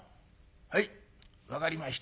はい分かりました。